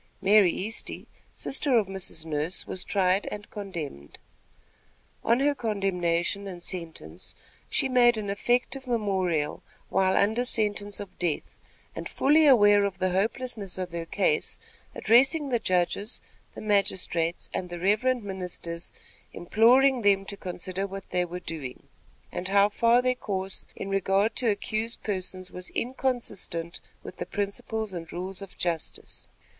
Mary Easty, sister of Mrs. Nurse, was tried and condemned. On her condemnation and sentence, she made an affective memorial while under sentence of death, and fully aware of the hopelessness of her case, addressing the judges, the magistrates and the reverend ministers, imploring them to consider what they were doing, and how far their course in regard to accused persons was inconsistent with the principles and rules of justice.